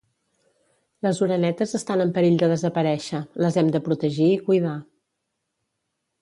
Les orenetes estan en perill de desaparèixer, les hem de protegir i cuidar